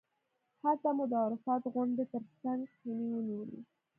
هلته مو د عرفات غونډۍ تر څنګ خیمې ونیولې.